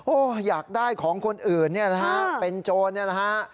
โอ้อยากได้ของคนอื่นเนี่ยล่ะค่ะเป็นโจรเนี่ยล่ะค่ะ